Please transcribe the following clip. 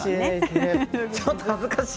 ちょっと恥ずかしい。